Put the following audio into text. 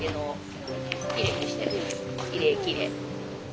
きれいきれい。